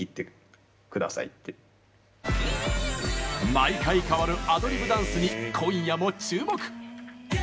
毎回変わるアドリブダンスに今夜も注目！